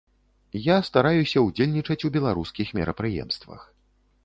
Я стараюся ўдзельнічаць у беларускіх мерапрыемствах.